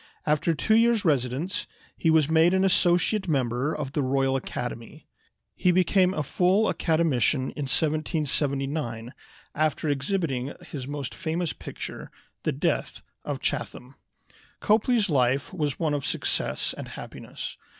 After two years' residence he was made an associate member of the Royal Academy. He became a full Academician in 1779, after exhibiting his most famous picture, the "Death of Chatham." Copley's life was one of success and happiness.